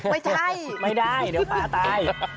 ไม่ใช่ไม่ได้เดี๋ยวปลาตาย